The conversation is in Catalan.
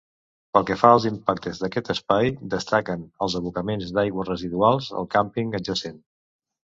Pel que fa als impactes d'aquest espai, destaquen els abocaments d'aigües residuals del càmping adjacent.